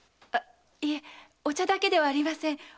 あいえお茶だけではありません。